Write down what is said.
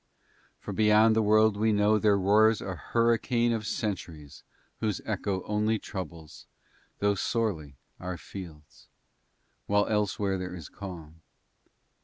For beyond the world we know there roars a hurricane of centuries whose echo only troubles though sorely our fields; while elsewhere there is calm.